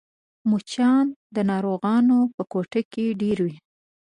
مچان د ناروغانو په کوټه کې ډېر وي